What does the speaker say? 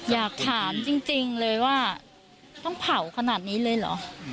อยากถามจริงเลยว่าต้องเผาขนาดนี้เลยเหรอ